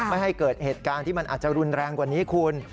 ไม่ให้เกิดเหตุการณ์ที่มันอาจจะรุนแรงกว่านี้คุณ